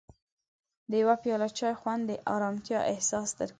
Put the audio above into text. د یو پیاله چای خوند د ارامتیا احساس درکوي.